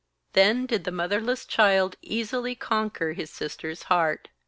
Then did the motherless child easily conquer his sister's heart.